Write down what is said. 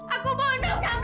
aku bunuh kamu